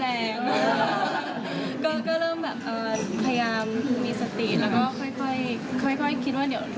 แล้วก็ค่อยคิดว่าเดี๋ยวทุกอย่างมันจะค่อยผ่านไป